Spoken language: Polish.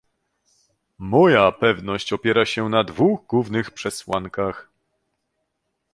Moja pewność opiera się na dwóch głównych przesłankach